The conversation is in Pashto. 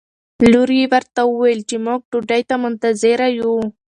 لور یې ورته وویل چې موږ ډوډۍ ته منتظره یو.